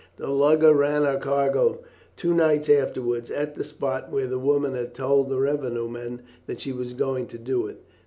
The lugger ran her cargo two nights afterwards at the very spot where the woman had told the revenue man that she was going to do it.